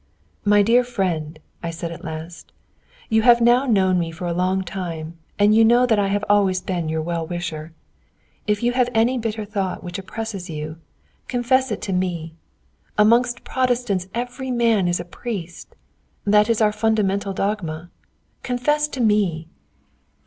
"My dear friend," I said at last, "you have now known me for a long time, and you know that I have always been your well wisher. If you have any bitter thought which oppresses you, confess it to me. Amongst Protestants every man is a priest. That is our fundamental dogma. Confess to me!"